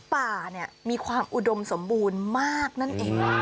ป่าเนี่ยมีความอุดมสมบูรณ์มากนั่นเอง